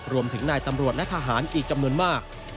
รวมถึงนายตำรวจและทหารอีกจำนวนมาก